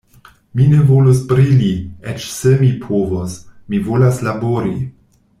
Mi ne volus brili, eĉ se mi povus; mi volas labori.